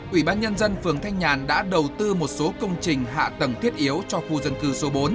ủy ban nhân dân phường thanh nhàn đã đầu tư một số công trình hạ tầng thiết yếu cho khu dân cư số bốn